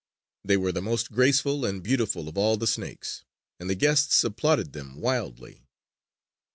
They were the most graceful and beautiful of all the snakes, and the guests applauded them wildly.